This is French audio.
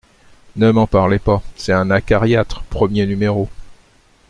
Ne m’en parlez pas… c’est un acariâtre, premier numéro…